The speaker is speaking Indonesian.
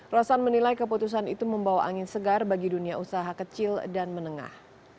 rosan menilai keputusan itu membawa angin segar bagi dunia usaha kecil dan menengah